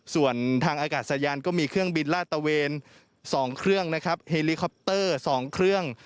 ส่วนทางอากาศยานก็มีเครื่องบินลาดตะเวน๒เครื่องนะครับเฮลิคอปเตอร์๒เครื่อง